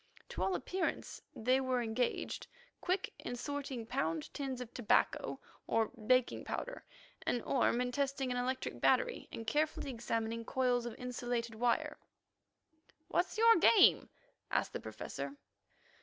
To all appearance they were engaged, Quick in sorting pound tins of tobacco or baking powder, and Orme in testing an electric battery and carefully examining coils of insulated wire. "What's your game?" asked the Professor.